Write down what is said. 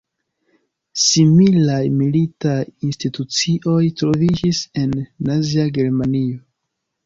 Similaj militaj institucioj troviĝis en nazia Germanio.